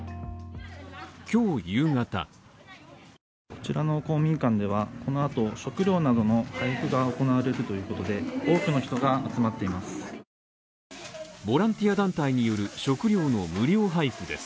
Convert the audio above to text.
今日夕方こちらの公民館では、この後、食料などの配布が行われるということで、多くの人が集まっています。